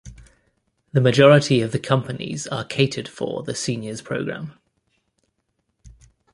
The majority of the companies are catered for the Seniors Programme.